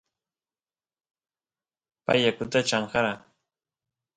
pay yakuta chamkara